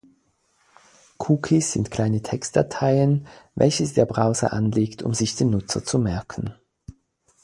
Cookies sind kleine Textdateien, welche der Browser anlegt, um sich den Nutzer zu merken.